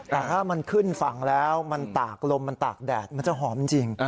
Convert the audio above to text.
แต่ถ้ามันขึ้นฝั่งแล้วมันตากลมมันตากแดดมันจะหอมจริง